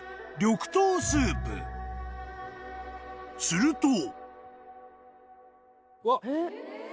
［すると］